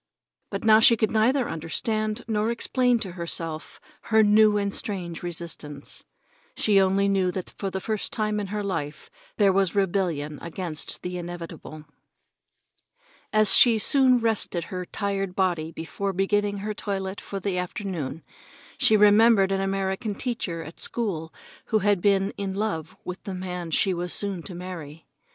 But now she could neither understand nor explain to herself her new and strange resistance. She only knew that for the first time in her life there was rebellion against the inevitable. As she rested her tired body before beginning her toilet for the afternoon, she remembered an American teacher at school who had been in love with the man she was soon to marry.